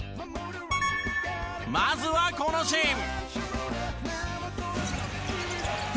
まずはこのシーン。